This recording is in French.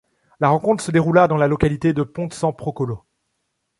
La rencontre se déroula dans la localité de Ponte San Procolo.